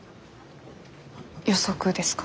予測ですか？